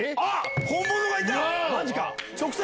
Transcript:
本物がいた！